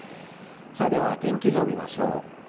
では天気図を見ましょう。